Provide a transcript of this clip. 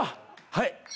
はい。